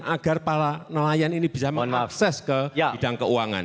agar para nelayan ini bisa mengakses ke bidang keuangan